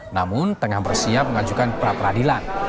namun tengah bersiap mengajukan pra peradilan